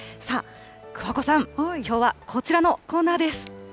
さあ、桑子さん、きょうはこちらのコーナーです。